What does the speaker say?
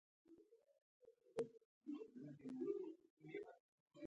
بلکې لا قوت ورکوي.